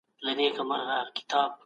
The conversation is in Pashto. په دې حالت کې کریم اړین دی.